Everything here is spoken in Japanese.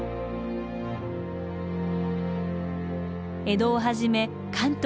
江戸をはじめ関東